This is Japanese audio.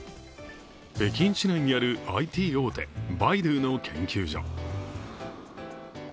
北京市内にあるＩＴ大手、バイドゥの研究所。